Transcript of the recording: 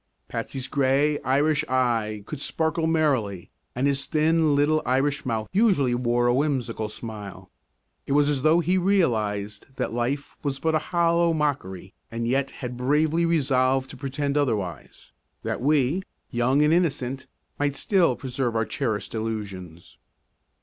Patsy's gray Irish eye could sparkle merrily and his thin little Irish mouth usually wore a whimsical smile. It was as though he realized that life was but a hollow mockery and yet had bravely resolved to pretend otherwise, that we, young and innocent, might still preserve our cherished illusions.